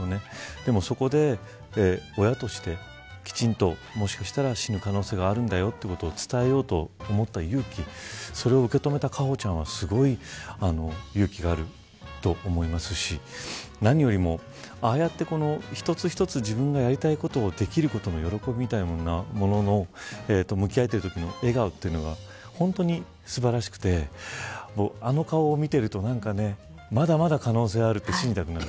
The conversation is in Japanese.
でも、そこで親としてきちんと、もしかしたら死ぬ可能性があるんだよと伝えようと思った勇気それを受け止めた果歩ちゃんはすごい勇気があると思いますし何よりも、ああやって一つ一つ自分がやりたいことができることの喜びみたいなものの向き合えているときの笑顔が本当に素晴らしくてあの顔を見ているとまだまだ可能性があると信じたくなる。